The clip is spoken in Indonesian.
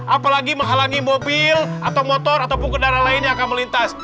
apalagi menghalangi mobil atau motor ataupun kendaraan lain yang akan melintas